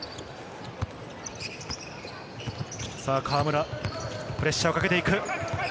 河村、プレッシャーをかけていく。